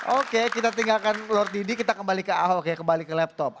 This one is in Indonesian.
oke kita tinggalkan lord didi kita kembali ke ahok ya kembali ke laptop